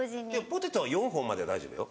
ポテトは４本までは大丈夫よ。